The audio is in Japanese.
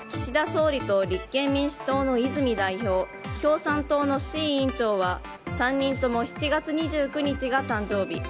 総理と立憲民主党の泉代表共産党の志位委員長は３人とも７月２９日が誕生日。